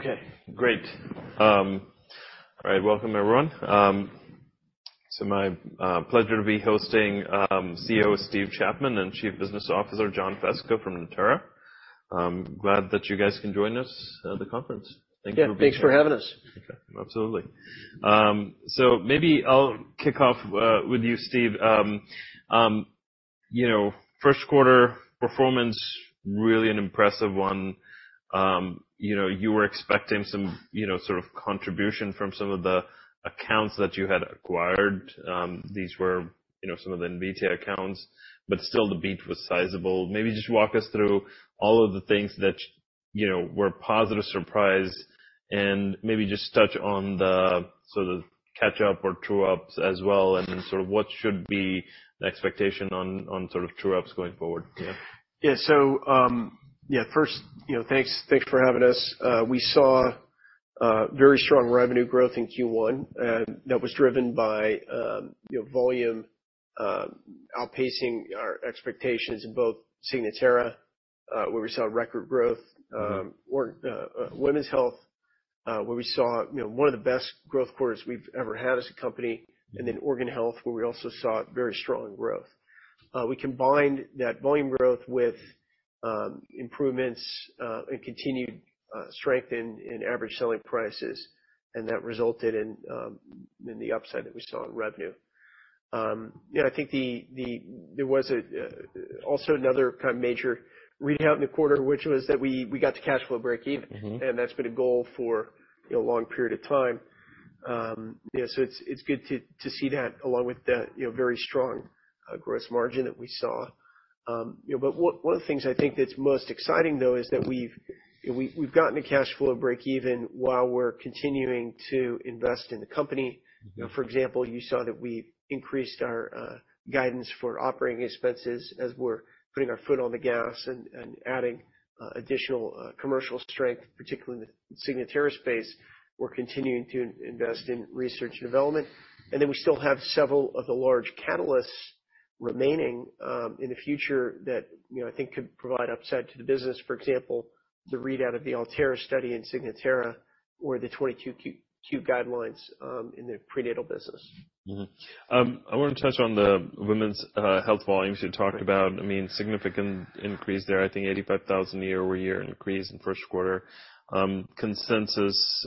Okay, great. All right, welcome, everyone. So my pleasure to be hosting CEO Steve Chapman and Chief Business Officer John Fesko from Natera. I'm glad that you guys can join us at the conference. Thank you. Yeah, thanks for having us. Okay, absolutely. So maybe I'll kick off with you, Steve. You know, first quarter performance, really an impressive one. You know, you were expecting some, you know, sort of contribution from some of the accounts that you had acquired. These were, you know, some of the Invitae accounts, but still the beat was sizable. Maybe just walk us through all of the things that, you know, were a positive surprise, and maybe just touch on the sort of catch up or true ups as well, and then sort of what should be the expectation on, on sort of true ups going forward? Yeah. So, yeah, first, you know, thanks, thanks for having us. We saw very strong revenue growth in Q1, and that was driven by, you know, volume outpacing our expectations in both Signatera, where we saw record growth, or women's health, where we saw, you know, one of the best growth quarters we've ever had as a company. And then organ health, where we also saw very strong growth. We combined that volume growth with improvements and continued strength in average selling prices, and that resulted in the upside that we saw in revenue. Yeah, I think there was also another kind of major readout in the quarter, which was that we got to cash flow breakeven- Mm-hmm. - and that's been a goal for, you know, a long period of time. Yeah, so it's good to see that along with the, you know, very strong gross margin that we saw. But one of the things I think that's most exciting, though, is that we've gotten a cash flow breakeven while we're continuing to invest in the company. Mm-hmm. You know, for example, you saw that we increased our guidance for operating expenses as we're putting our foot on the gas and adding additional commercial strength, particularly in the Signatera space. We're continuing to invest in research and development, and then we still have several of the large catalysts remaining in the future that, you know, I think could provide upside to the business. For example, the readout of the ALTAIR study in Signatera, or the 22q guidelines in the prenatal business. Mm-hmm. I want to touch on the women's health volumes you talked about. I mean, significant increase there. I think 85,000 year-over-year increase in first quarter. Consensus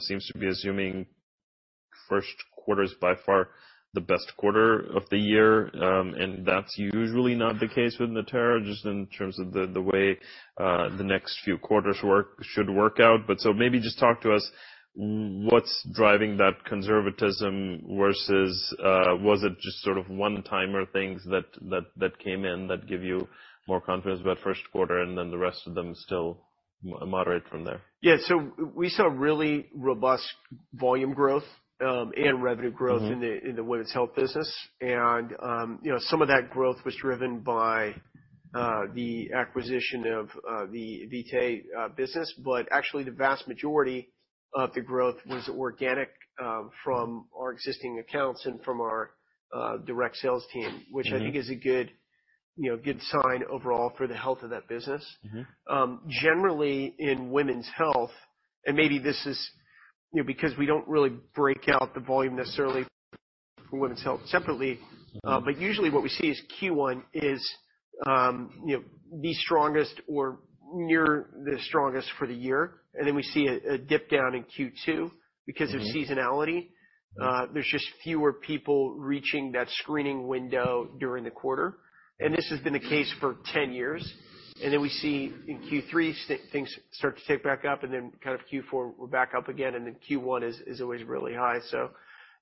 seems to be assuming first quarter is by far the best quarter of the year, and that's usually not the case with Natera, just in terms of the way the next few quarters work should work out. But so maybe just talk to us, what's driving that conservatism versus was it just sort of one-timer things that came in that give you more confidence about first quarter and then the rest of them still moderate from there? Yeah. So we saw really robust volume growth, and revenue growth- Mm-hmm... in the women's health business. And you know, some of that growth was driven by the acquisition of the Invitae business. But actually the vast majority of the growth was organic from our existing accounts and from our direct sales team- Mm-hmm... which I think is a good, you know, good sign overall for the health of that business. Mm-hmm. Generally, in women's health, and maybe this is, you know, because we don't really break out the volume necessarily for women's health separately- Mm-hmm... but usually what we see is Q1 is, you know, the strongest or near the strongest for the year, and then we see a dip down in Q2 because of seasonality. Mm-hmm. There's just fewer people reaching that screening window during the quarter, and this has been the case for 10 years. And then we see in Q3, things start to tick back up, and then kind of Q4, we're back up again, and then Q1 is, is always really high. So,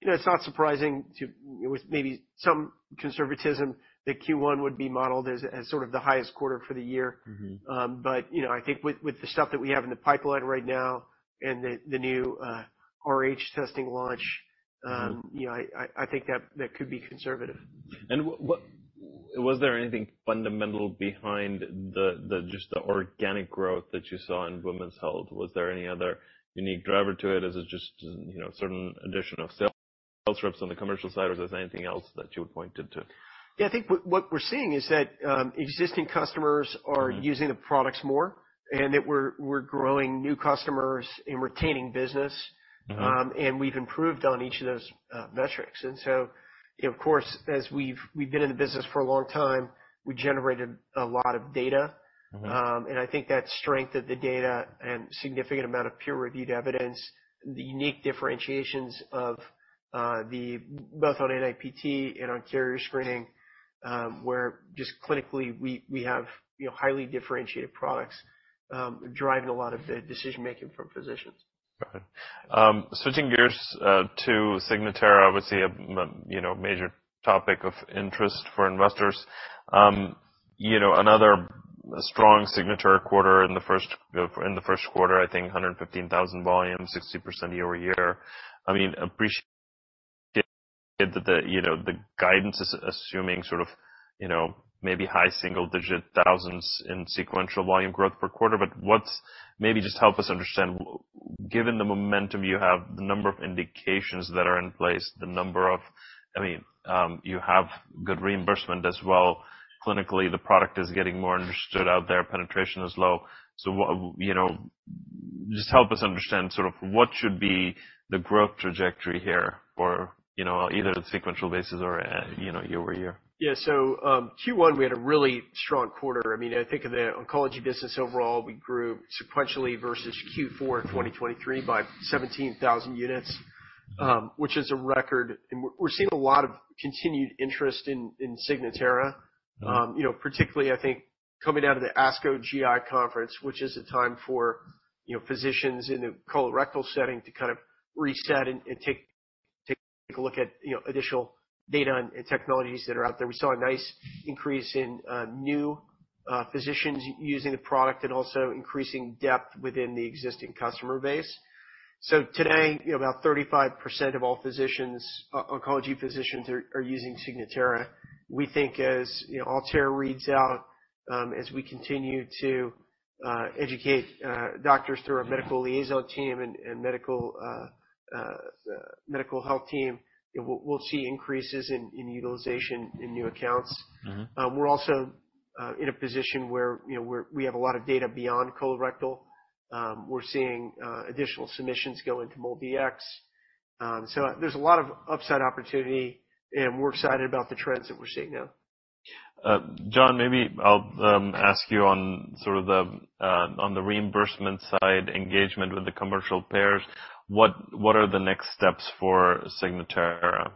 you know, it's not surprising to... With maybe some conservatism that Q1 would be modeled as, as sort of the highest quarter for the year. Mm-hmm. But you know, I think with the stuff that we have in the pipeline right now and the new RhD testing launch, Mm-hmm... you know, I think that could be conservative. What was there anything fundamental behind the just organic growth that you saw in women's health? Was there any other unique driver to it, or is it just, you know, certain additional sales reps on the commercial side, or is there anything else that you attribute to? Yeah, I think what we're seeing is that, existing customers- Mm-hmm... are using the products more, and that we're, we're growing new customers and retaining business. Mm-hmm. And we've improved on each of those metrics. So, you know, of course, as we've been in the business for a long time, we generated a lot of data. Mm-hmm. I think that strength of the data and significant amount of peer-reviewed evidence, the unique differentiations of the both on NIPT and on carrier screening, where just clinically, we, we have, you know, highly differentiated products driving a lot of the decision making from physicians. Okay. Switching gears to Signatera, obviously a, you know, major topic of interest for investors. You know, another strong Signatera quarter in the first quarter, I think 115,000 volume, 60% year-over-year. I mean, appreciate that the, you know, the guidance is assuming sort of, you know, maybe high single digit thousands in sequential volume growth per quarter. But what's, maybe just help us understand... given the momentum you have, the number of indications that are in place, the number of, I mean, you have good reimbursement as well. Clinically, the product is getting more understood out there. Penetration is low. So, you know, just help us understand sort of what should be the growth trajectory here or, you know, either the sequential basis or, you know, year-over-year? Yeah. So, Q1, we had a really strong quarter. I mean, I think of the oncology business overall, we grew sequentially versus Q4 in 2023 by 17,000 units, which is a record, and we're, we're seeing a lot of continued interest in, in Signatera. Mm-hmm. You know, particularly, I think coming out of the ASCO GI conference, which is a time for, you know, physicians in the colorectal setting to kind of reset and take a look at, you know, additional data and technologies that are out there. We saw a nice increase in new physicians using the product and also increasing depth within the existing customer base. So today, you know, about 35% of all physicians, oncology physicians are using Signatera. We think as, you know, ALTAIR reads out, as we continue to educate doctors through our medical liaison team and medical health team, we'll see increases in utilization in new accounts. Mm-hmm. We're also in a position where, you know, we have a lot of data beyond colorectal. We're seeing additional submissions go into MolDX. So there's a lot of upside opportunity, and we're excited about the trends that we're seeing now. John, maybe I'll ask you on the reimbursement side, engagement with the commercial payers. What, what are the next steps for Signatera?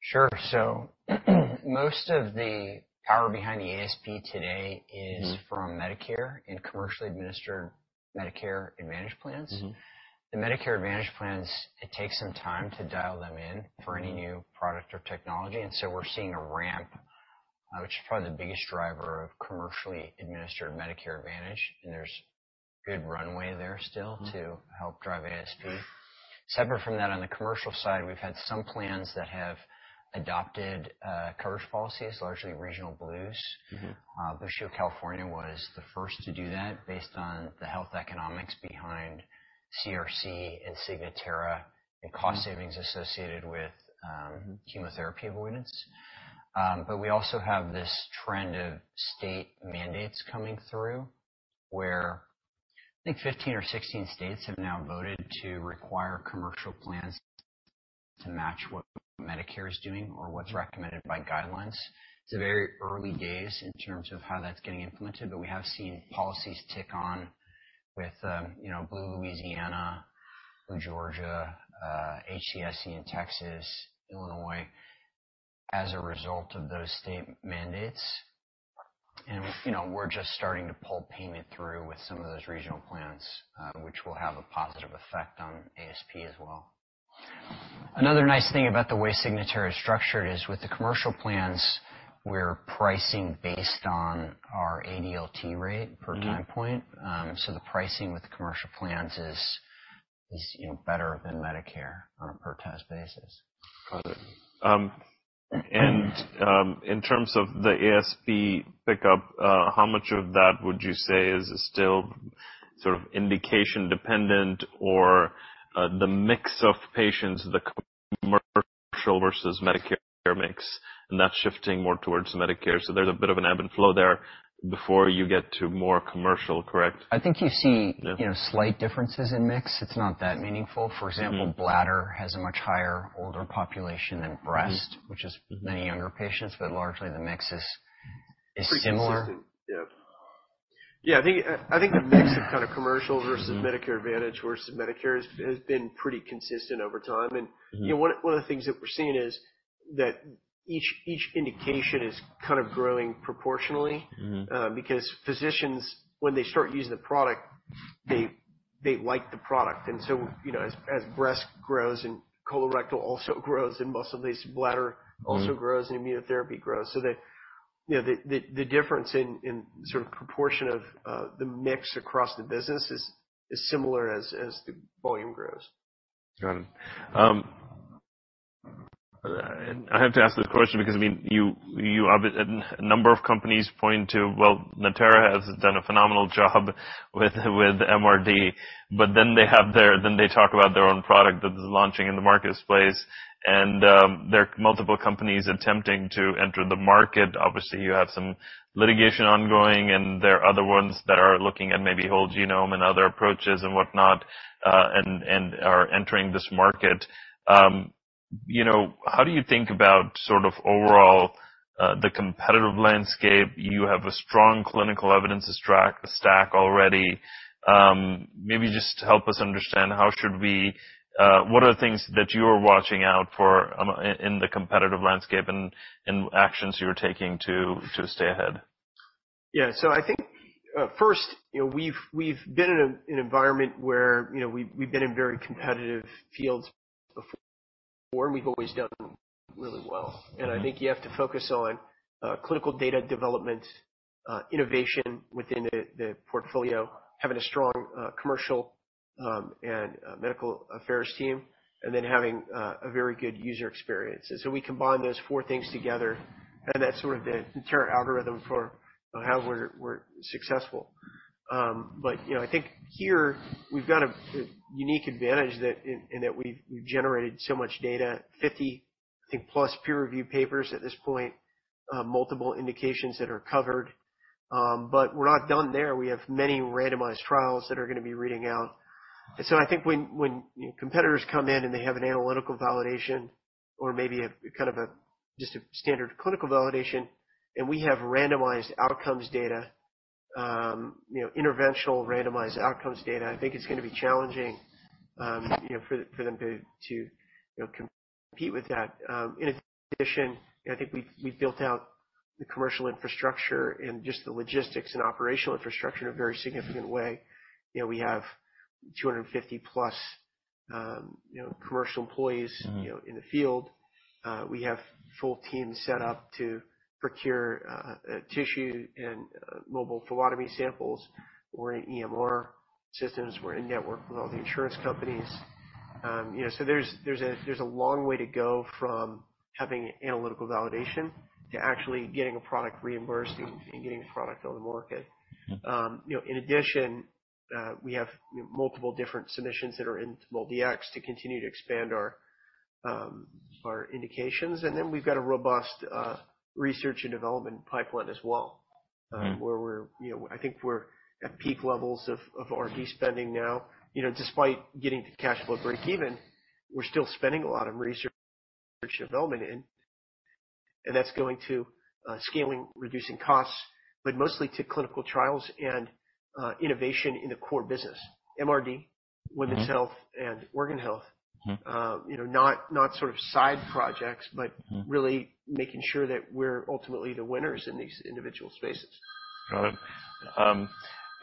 Sure. So most of the power behind the ASP today- Mm-hmm. is from Medicare and commercially administered Medicare Advantage plans. Mm-hmm. The Medicare Advantage plans, it takes some time to dial them in for any new product or technology, and so we're seeing a ramp, which is probably the biggest driver of commercially administered Medicare Advantage, and there's good runway there still- Mm-hmm. -to help drive ASP. Separate from that, on the commercial side, we've had some plans that have adopted, coverage policies, largely regional blues. Mm-hmm. Blue Shield of California was the first to do that based on the health economics behind CRC and Signatera. Mm-hmm. -and cost savings associated with chemotherapy avoidance. But we also have this trend of state mandates coming through, where I think 15 or 16 states have now voted to require commercial plans to match what Medicare is doing or what's recommended by guidelines. It's very early days in terms of how that's getting implemented, but we have seen policies tick on with, you know, Blue Louisiana, Blue Georgia, HCSC in Texas, Illinois, as a result of those state mandates. And, you know, we're just starting to pull payment through with some of those regional plans, which will have a positive effect on ASP as well. Another nice thing about the way Signatera is structured is with the commercial plans, we're pricing based on our ADLT rate per time point. Mm-hmm. So the pricing with the commercial plans is, you know, better than Medicare on a per test basis. Got it. And, in terms of the ASP pickup, how much of that would you say is still sort of indication dependent or, the mix of patients, the commercial versus Medicare mix, and that's shifting more towards Medicare? So there's a bit of an ebb and flow there before you get to more commercial, correct? I think you see- Yeah... you know, slight differences in mix. It's not that meaningful. Mm-hmm. For example, bladder has a much higher older population than breast- Mm-hmm -which is many younger patients, but largely the mix is similar. Pretty consistent. Yeah. Yeah, I think, I, I think the mix of kind of commercial- Mm-hmm -versus Medicare Advantage versus Medicare has been pretty consistent over time. Mm-hmm. You know, one of the things that we're seeing is that each indication is kind of growing proportionally. Mm-hmm. Because physicians, when they start using the product, they like the product. And so, you know, as breast grows and colorectal also grows, and muscle-invasive bladder also grows- Mm-hmm... and immunotherapy grows. So, you know, the difference in sort of proportion of the mix across the business is similar as the volume grows. Got it. And I have to ask this question because, I mean, you obviously a number of companies point to, well, Natera has done a phenomenal job with MRD, but then they talk about their own product that is launching in the marketplace. And there are multiple companies attempting to enter the market. Obviously, you have some litigation ongoing, and there are other ones that are looking at maybe whole genome and other approaches and whatnot, and are entering this market. You know, how do you think about sort of overall the competitive landscape? You have a strong clinical evidence track record already. Maybe just help us understand what are the things that you are watching out for in the competitive landscape and actions you're taking to stay ahead? Yeah. So I think, first, you know, we've been in an environment where, you know, we've been in very competitive fields before, and we've always done really well. Mm-hmm. I think you have to focus on clinical data development, innovation within the portfolio, having a strong commercial and medical affairs team, and then having a very good user experience. So we combine those four things together, and that's sort of the Natera algorithm for how we're successful. But you know, I think here we've got a unique advantage in that we've generated so much data, 50+ peer-reviewed papers at this point, multiple indications that are covered. But we're not done there. We have many randomized trials that are gonna be reading out. And so I think when competitors come in, and they have an analytical validation or maybe a kind of a just a standard clinical validation, and we have randomized outcomes data, you know, interventional randomized outcomes data, I think it's gonna be challenging, you know, for them to compete with that. In addition, I think we've built out the commercial infrastructure and just the logistics and operational infrastructure in a very significant way. You know, we have 250+ commercial employees- Mm. You know, in the field. We have full teams set up to procure tissue and mobile phlebotomy samples. We're in EMR systems. We're in network with all the insurance companies. You know, so there's a long way to go from having analytical validation to actually getting a product reimbursed. Mm. and getting a product on the market. Mm. You know, in addition, we have multiple different submissions that are in MolDX to continue to expand our indications, and then we've got a robust research and development pipeline as well. Mm. You know, I think we're at peak levels of R&D spending now. You know, despite getting to cash flow breakeven, we're still spending a lot on research and development, and that's going to scaling, reducing costs, but mostly to clinical trials and innovation in the core business. MRD- Mm-hmm. Women's health and organ health. Mm. You know, not sort of side projects- Mm. But really making sure that we're ultimately the winners in these individual spaces. Got it.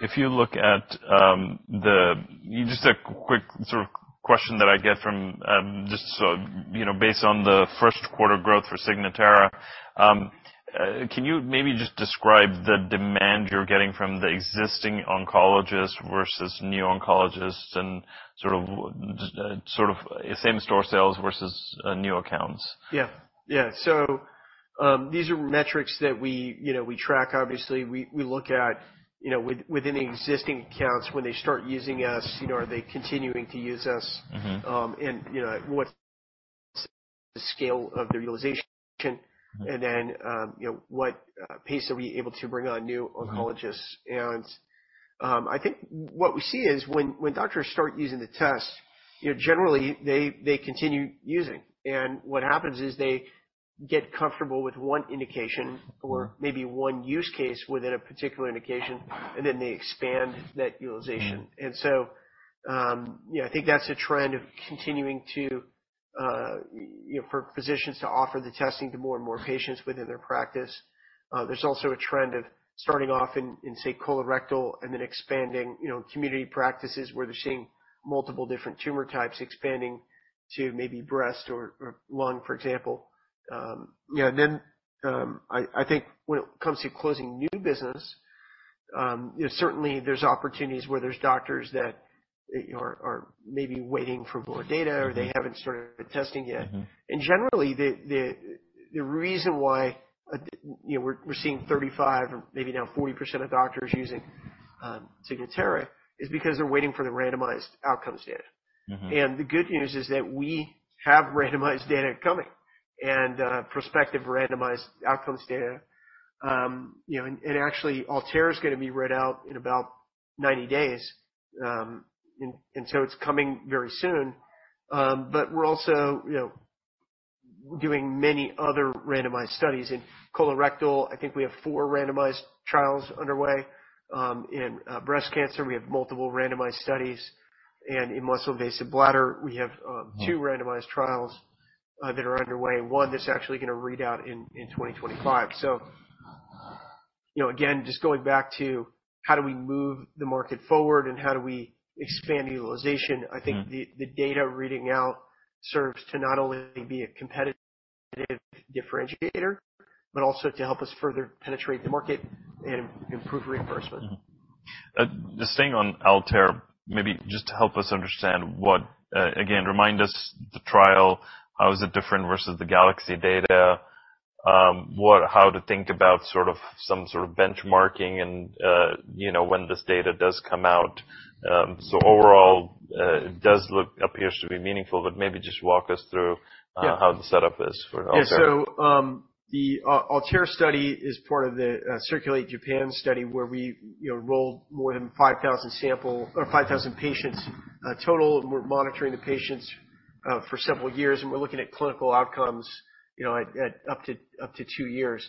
If you look at just a quick sort of question that I get from just so, you know, based on the first quarter growth for Signatera, can you maybe just describe the demand you're getting from the existing oncologists versus new oncologists and sort of sort of same-store sales versus new accounts? Yeah. Yeah. So, these are metrics that we, you know, we track obviously. We look at, you know, within the existing accounts, when they start using us, you know, are they continuing to use us? Mm-hmm. You know, what's the scale of their utilization? Mm. You know, what pace are we able to bring on new oncologists? Mm. I think what we see is when doctors start using the test, you know, generally they continue using. What happens is they get comfortable with one indication- Mm. or maybe one use case within a particular indication, and then they expand that utilization. Mm. And so, you know, I think that's a trend of continuing to, you know, for physicians to offer the testing to more and more patients within their practice. There's also a trend of starting off in, say, colorectal and then expanding, you know, community practices where they're seeing multiple different tumor types expanding to maybe breast or lung, for example. Yeah, and then, I think when it comes to closing new business, you know, certainly there's opportunities where there's doctors that are maybe waiting for more data- Mm-hmm. or they haven't started the testing yet. Mm-hmm. Generally, the reason why, you know, we're seeing 35 or maybe now 40% of doctors using Signatera is because they're waiting for the randomized outcomes data. Mm-hmm. The good news is that we have randomized data coming and, prospective randomized outcomes data. You know, and, and actually, ALTAIR is gonna be read out in about 90 days. And, and so it's coming very soon. But we're also, you know, doing many other randomized studies. In colorectal, I think we have four randomized trials underway. In, breast cancer, we have multiple randomized studies, and in muscle invasive bladder, we have, Mm... two randomized trials that are underway. One that's actually gonna read out in 2025. So, you know, again, just going back to how do we move the market forward and how do we expand utilization- Mm-hmm. I think the data reading out serves to not only be a competitive differentiator, but also to help us further penetrate the market and improve reimbursement. Just staying on ALTAIR, maybe just to help us understand what... Again, remind us the trial, how is it different versus the GALAXY data? What-- how to think about sort of, some sort of benchmarking and, you know, when this data does come out. So overall- Mm... it does look, appears to be meaningful, but maybe just walk us through- Yeah How the setup is for Altair. Yeah. So, the ALTAIR study is part of the, uh, CIRCULATE-Japan study, where we, you know, enrolled more than 5,000 samples, or 5,000 patients, total. We're monitoring the patients, for several years, and we're looking at clinical outcomes, you know, at, at up to, up to two years.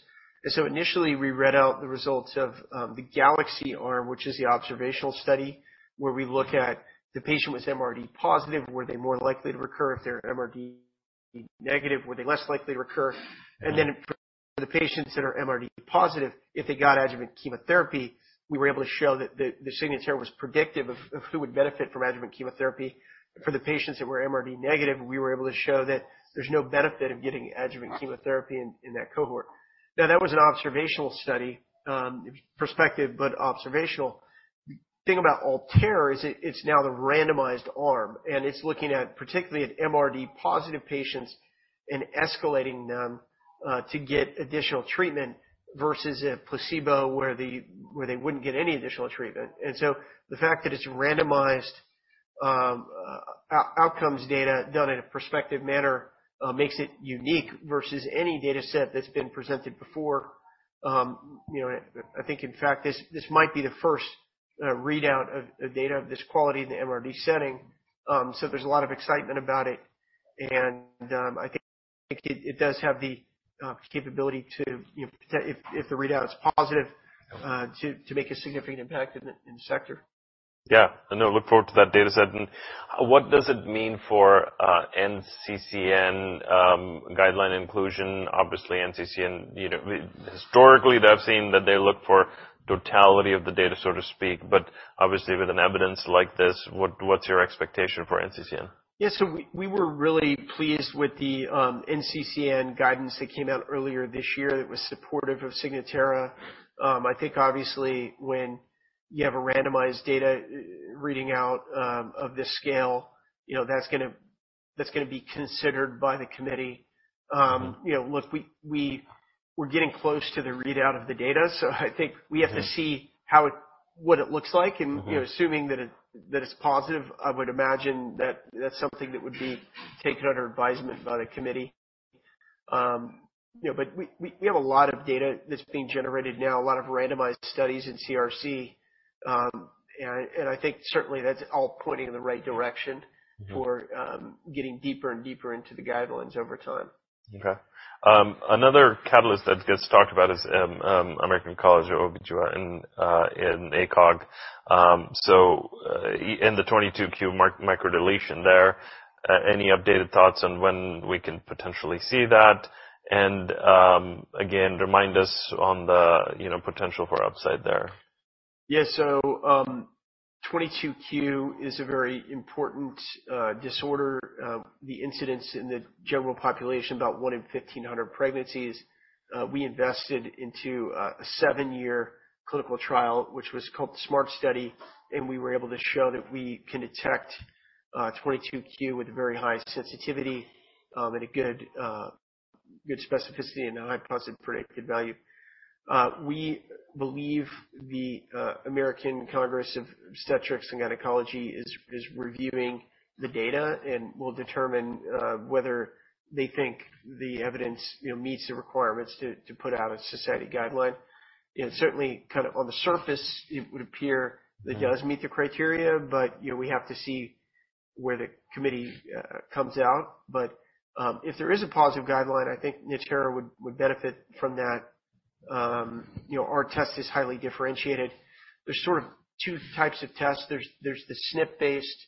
And so initially, we read out the results of, the Galaxy arm, which is the observational study, where we look at the patient with MRD positive, were they more likely to recur? If they're MRD negative, were they less likely to recur? Mm. And then for the patients that are MRD positive, if they got adjuvant chemotherapy, we were able to show that the Signatera was predictive of who would benefit from adjuvant chemotherapy. For the patients that were MRD negative, we were able to show that there's no benefit of getting adjuvant chemotherapy in that cohort. Now, that was an observational study, prospective, but observational. The thing about Altair is it's now the randomized arm, and it's looking at, particularly at MRD positive patients and escalating them to get additional treatment versus a placebo, where they wouldn't get any additional treatment. And so the fact that it's randomized outcomes data done in a prospective manner makes it unique versus any data set that's been presented before. You know, I think, in fact, this might be the first readout of data of this quality in the MRD setting. So there's a lot of excitement about it, and I think it does have the capability to, you know, if the readout is positive, to make a significant impact in the sector. Yeah. I know, look forward to that data set. What does it mean for NCCN guideline inclusion? Obviously, NCCN, you know, historically, I've seen that they look for totality of the data, so to speak. But obviously, with an evidence like this, what's your expectation for NCCN? Yeah. So we were really pleased with the NCCN guidance that came out earlier this year that was supportive of Signatera. I think obviously, when you have a randomized data reading out of this scale, you know, that's gonna be considered by the committee. You know, look, we're getting close to the readout of the data, so I think we have to see how it... what it looks like. Mm-hmm. And, you know, assuming that it, that it's positive, I would imagine that that's something that would be taken under advisement by the committee. You know, but we have a lot of data that's being generated now, a lot of randomized studies in CRC. And I think certainly that's all pointing in the right direction- Mm-hmm. —for, getting deeper and deeper into the guidelines over time. Okay. Another catalyst that gets talked about is American College of Obstetricians and in ACOG. So, in the 22q microdeletion there, any updated thoughts on when we can potentially see that? And, again, remind us on the, you know, potential for upside there. Yeah. So, 22q is a very important disorder. The incidence in the general population, about 1 in 1,500 pregnancies. We invested into a seven year clinical trial, which was called the SMART Study, and we were able to show that we can detect 22q with a very high sensitivity and a good specificity and a high positive predictive value. We believe the American College of Obstetricians and Gynecologists is reviewing the data and will determine whether they think the evidence, you know, meets the requirements to put out a society guideline. You know, certainly, kind of on the surface, it would appear- Mm-hmm -it does meet the criteria, but, you know, we have to see where the committee comes out. But, if there is a positive guideline, I think Signatera would benefit from that. You know, our test is highly differentiated. There's sort of two types of tests. There's the SNP-based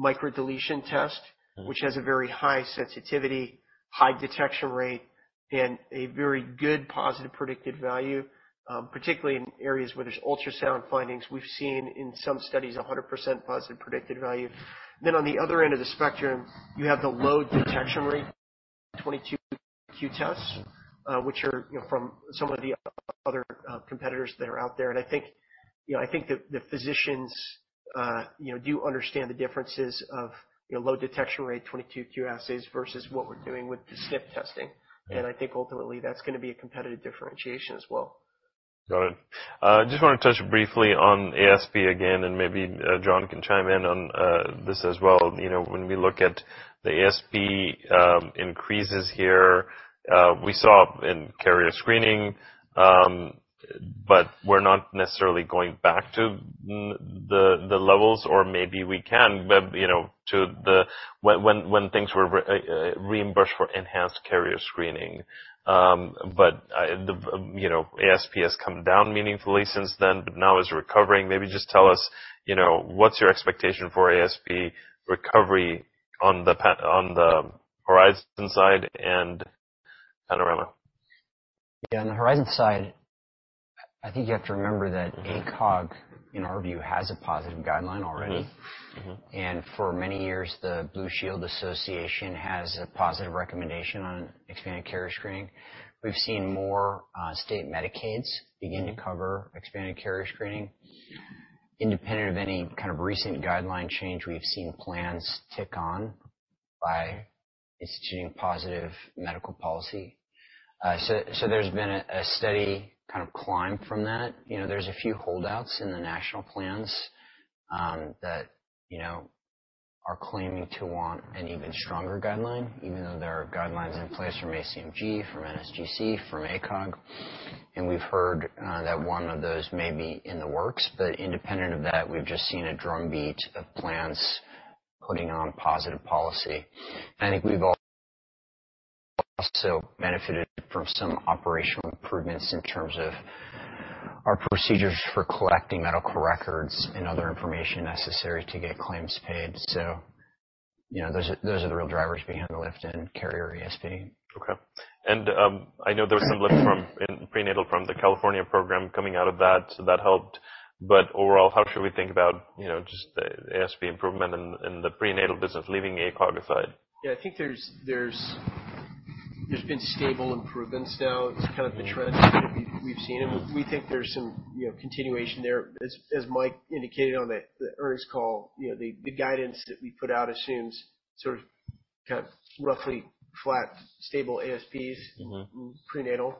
microdeletion test- Mm-hmm... which has a very high sensitivity, high detection rate, and a very good positive predictive value, particularly in areas where there's ultrasound findings. We've seen in some studies 100% positive predictive value. Then on the other end of the spectrum, you have the low detection rate, 22q tests, which are, you know, from some of the other competitors that are out there. And I think, you know, I think the, the physicians, you know, do understand the differences of, you know, low detection rate, 22q assays versus what we're doing with the SNP testing. Yeah. I think ultimately that's gonna be a competitive differentiation as well. Got it. Just wanna touch briefly on ASP again, and maybe John can chime in on this as well. You know, when we look at the ASP increases here, we saw in carrier screening, but we're not necessarily going back to the levels, or maybe we can, but you know, to the when things were reimbursed for enhanced carrier screening. But you know, the ASP has come down meaningfully since then, but now is recovering. Maybe just tell us, you know, what's your expectation for ASP recovery on the Horizon side and Panorama? Yeah, on the Horizon side, I think you have to remember that ACOG, in our view, has a positive guideline already. Mm-hmm. Mm-hmm. And for many years, the Blue Shield Association has a positive recommendation on expanded carrier screening. We've seen more state Medicaids begin to cover expanded carrier screening. Independent of any kind of recent guideline change, we've seen plans tick on by instituting positive medical policy. So there's been a steady kind of climb from that. You know, there's a few holdouts in the national plans that you know are claiming to want an even stronger guideline, even though there are guidelines in place from ACMG, from NSGC, from ACOG, and we've heard that one of those may be in the works. But independent of that, we've just seen a drumbeat of plans putting on positive policy. I think we've also benefited from some operational improvements in terms of our procedures for collecting medical records and other information necessary to get claims paid. So, you know, those are, those are the real drivers behind the lift in carrier ASP. Okay. And, I know there was some lift in prenatal from the California program coming out of that, so that helped. But overall, how should we think about, you know, just the ASP improvement in the prenatal business, leaving ACOG aside? Yeah, I think there's been stable improvements. Now, it's kind of the trend that we've seen, and we think there's some, you know, continuation there. As Mike indicated on the earnings call, you know, the guidance that we put out assumes sort of, kind of roughly flat, stable ASPs. Mm-hmm. Prenatal.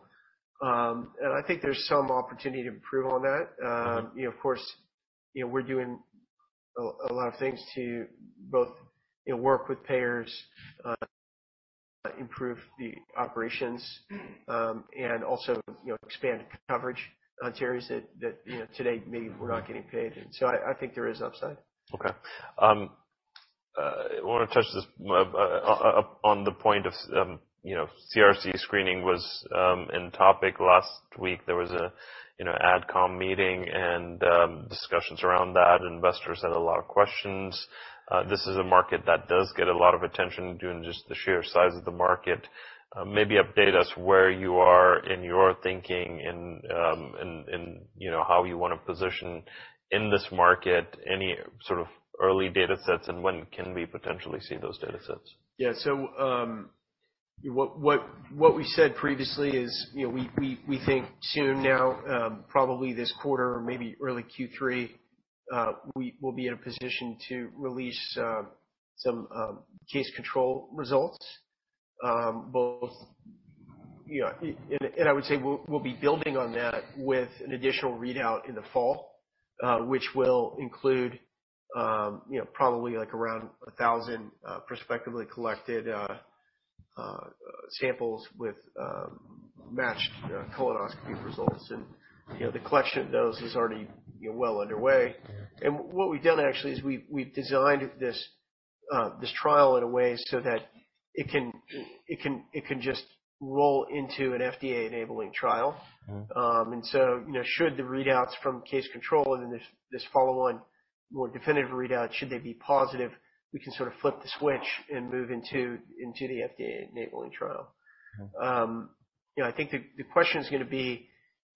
And I think there's some opportunity to improve on that. You know, of course, you know, we're doing a lot of things to both, you know, work with payers, improve the operations, and also, you know, expand coverage on areas that, you know, today, maybe we're not getting paid. And so I think there is upside. Okay. I wanna touch this up on the point of, you know, CRC screening was in topic last week. There was a, you know, AdCom meeting and discussions around that. Investors had a lot of questions. This is a market that does get a lot of attention due to just the sheer size of the market. Maybe update us where you are in your thinking and, and, you know, how you wanna position in this market, any sort of early data sets, and when can we potentially see those data sets? Yeah. So, what we said previously is, you know, we think soon now, probably this quarter or maybe early Q3, we will be in a position to release some case control results. And I would say we'll be building on that with an additional readout in the fall, which will include, you know, probably like around 1,000 prospectively collected samples with matched colonoscopy results. And, you know, the collection of those is already, you know, well underway. And what we've done actually is we've designed this trial in a way so that it can just roll into an FDA-enabling trial. Mm-hmm. And so, you know, should the readouts from case control and this follow on more definitive readout, should they be positive, we can sort of flip the switch and move into the FDA-enabling trial. Mm-hmm. You know, I think the question is gonna be: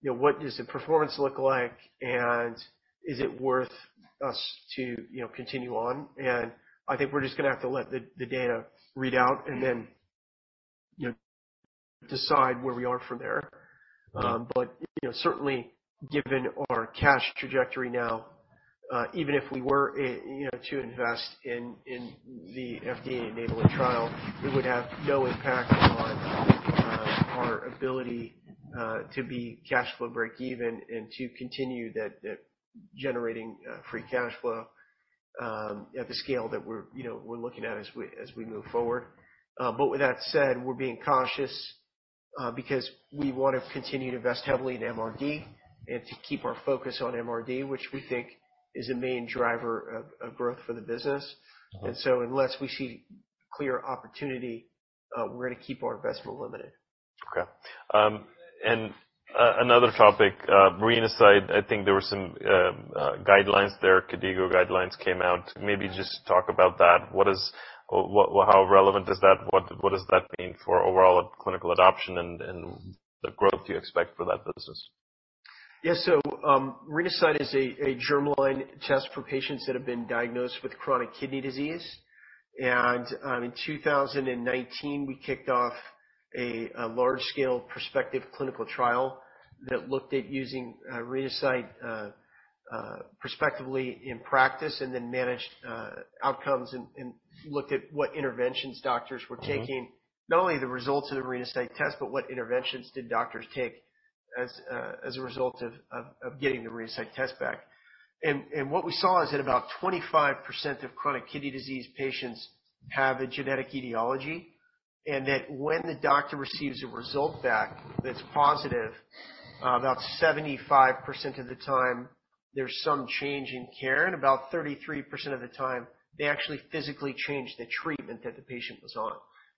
You know, what does the performance look like, and is it worth us to, you know, continue on? I think we're just gonna have to let the data read out and then, you know, decide where we are from there. Mm-hmm. But, you know, certainly, given our cash trajectory now, even if we were, you know, to invest in the FDA-enabling trial, it would have no impact on our ability to be cash flow breakeven and to continue that generating free cash flow at the scale that we're, you know, we're looking at as we move forward. But with that said, we're being cautious because we want to continue to invest heavily in MRD and to keep our focus on MRD, which we think is a main driver of growth for the business. Mm-hmm. Unless we see clear opportunity, we're gonna keep our investment limited. Okay. And another topic, Renasight, I think there were some guidelines there, KDIGO guidelines came out. Maybe just talk about that. What is... what, how relevant is that? What, what does that mean for overall clinical adoption and the growth you expect for that business? Yeah. So, Renasight is a germline test for patients that have been diagnosed with chronic kidney disease. And, in 2019, we kicked off a large-scale prospective clinical trial that looked at using Renasight prospectively in practice and then managed outcomes and looked at what interventions doctors were taking. Mm-hmm. Not only the results of the Renasight test, but what interventions did doctors take as a result of getting the Renasight test back? And what we saw is that about 25% of chronic kidney disease patients have a genetic etiology, and that when the doctor receives a result back that's positive, about 75% of the time, there's some change in care, and about 33% of the time, they actually physically change the treatment that the patient was on.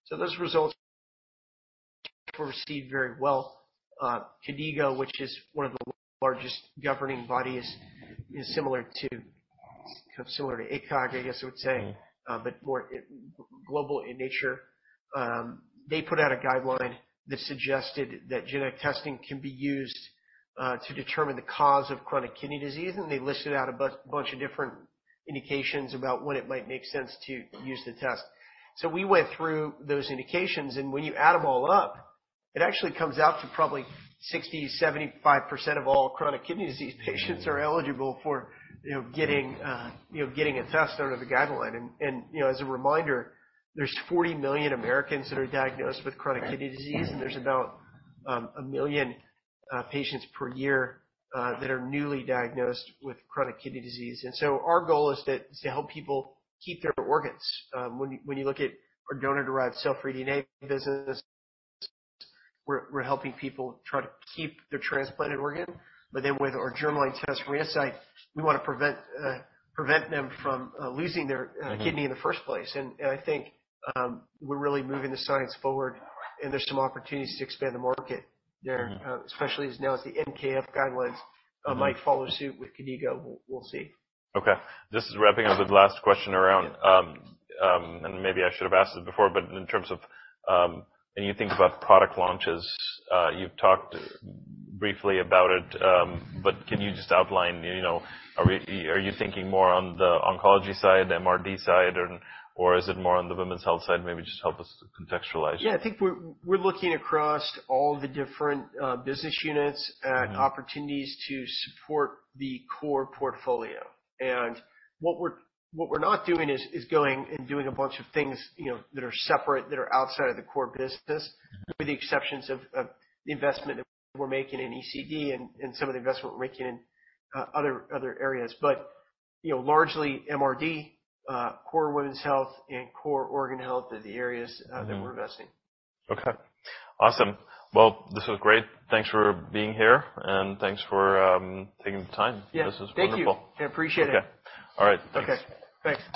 So those results were received very well. KDIGO, which is one of the largest governing bodies, is similar to ACOG, I guess I would say- Mm-hmm. - but more global in nature. They put out a guideline that suggested that genetic testing can be used to determine the cause of chronic kidney disease, and they listed out a bunch of different indications about when it might make sense to use the test. So we went through those indications, and when you add them all up, it actually comes out to probably 60%-75% of all chronic kidney disease patients- Mm-hmm. - are eligible for, you know, getting a test out of the guideline. And you know, as a reminder, there's 40 million Americans that are diagnosed with chronic kidney disease, and there's about 1 million patients per year that are newly diagnosed with chronic kidney disease. And so our goal is to help people keep their organs. When you look at our donor-derived cell-free DNA business, we're helping people try to keep their transplanted organ, but then with our germline test, Renasight, we wanna prevent them from losing their Mm-hmm... kidney in the first place. And I think, we're really moving the science forward, and there's some opportunities to expand the market there. Mm-hmm. Especially as now as the NKF guidelines might follow suit with KDIGO. We'll, we'll see. Okay. Just wrapping up the last question around, and maybe I should have asked this before, but in terms of, when you think about product launches, you've talked briefly about it, but can you just outline, you know, are we- are you thinking more on the oncology side, the MRD side, and, or is it more on the women's health side? Maybe just help us contextualize. Yeah. I think we're looking across all the different business units- Mm-hmm. at opportunities to support the core portfolio. And what we're not doing is going and doing a bunch of things, you know, that are separate, that are outside of the core business- Mm-hmm... with the exceptions of the investment that we're making in ECD and some of the investment we're making in other areas. But, you know, largely MRD, core women's health and core organ health are the areas, Mm-hmm... that we're investing. Okay. Awesome. Well, this was great. Thanks for being here, and thanks for taking the time. Yeah. This is wonderful. Thank you. I appreciate it. Okay. All right. Thanks. Okay. Thanks.